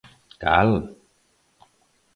¿Cal?